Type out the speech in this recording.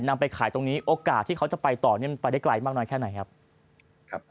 นำไปขายตรงนี้โอกาสที่เขาจะไปต่อเนี่ยมันไปได้ไกลมากน้อยแค่ไหนครับ